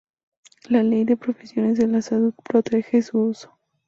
La Ley de Profesiones de la Salud protege su uso.